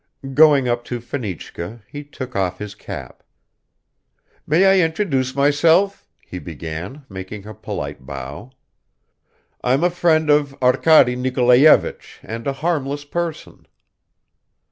Going up to Fenichka, he took off his cap. "May I introduce myself?" he began, making a polite bow. "I'm a friend of Arkady Nikolayevich and a harmless person."